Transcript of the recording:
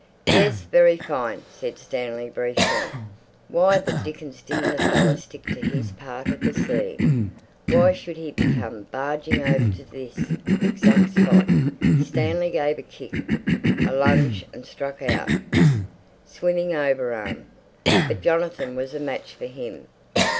"Yes, very fine!" said Stanley briefly. Why the dickens didn't the fellow stick to his part of the sea? Why should he come barging over to this exact spot? Stanley gave a kick, a lunge and struck out, swimming overarm. But Jonathan was a match for him.